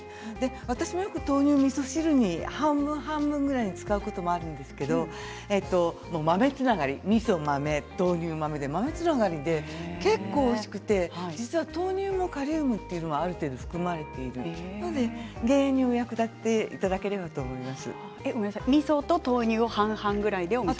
私もよく豆乳、みそ汁に半分半分ぐらいで使うことがあるんですけど豆つながり、みそ、お豆、豆乳豆で豆つながりで結構おいしくて実は大豆にもカリウムってある程度、含まれているので減塩にも役立てていただければと思います。